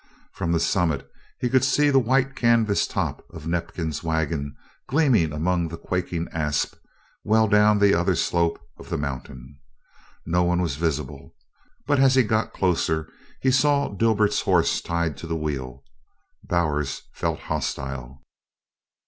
From the summit he could see the white canvas top of Neifkins's wagon gleaming among the quaking asp well down the other slope of the mountain. No one was visible, but as he got closer he saw Dibert's horse tied to the wheel. Bowers felt "hos tile."